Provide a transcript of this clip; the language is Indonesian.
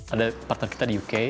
ada partner kita di uk